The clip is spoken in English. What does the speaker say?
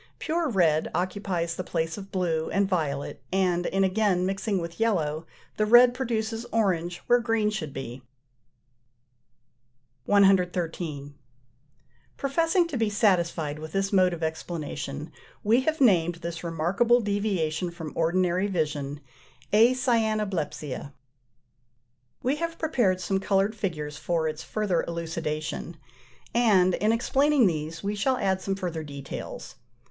Pure red occupies the place of blue and violet, and in again mixing with yellow the red produces orange where green should be. 113. Professing to be satisfied with this mode of explanation, we have named this remarkable deviation from ordinary vision "Acyanoblepsia." We have prepared some coloured figures for its further elucidation, and in explaining these we shall add some further details.